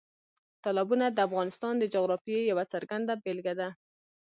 تالابونه د افغانستان د جغرافیې یوه څرګنده بېلګه ده.